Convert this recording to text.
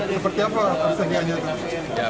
seperti apa persediaannya